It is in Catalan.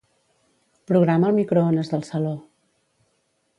Programa el microones del saló.